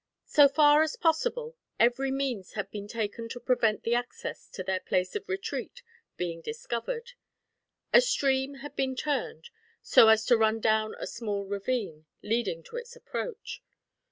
So far as possible, every means had been taken to prevent the access to their place of retreat being discovered. A stream had been turned, so as to run down a small ravine, leading to its approach.